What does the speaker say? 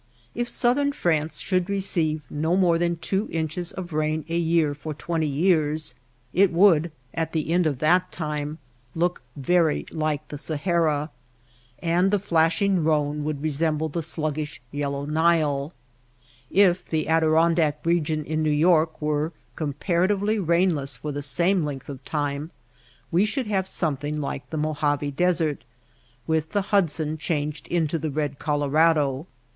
If Southern France should receive no more than two inches of rain a year for twenty years it would, at the end of that time, look very like the Sahara, and the flashing Khone would resemble the sluggish yellow Nile. If the Adirondack region in New THE MAKE OF THE DESERT 26 York were comparatively rainless for the same length of time we should have something like the Mojave Desert, with the Hudson changed into the red Colorado.